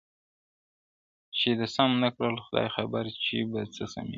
چي ده سم نه کړل خدای خبر چي به په چا سمېږي-